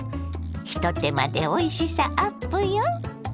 一手間でおいしさアップよ！